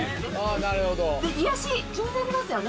なるほど癒し気になりますよね？